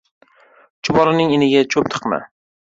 • Chumolining iniga cho‘p tiqma.